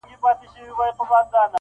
نوريې دلته روزي و ختمه سوې,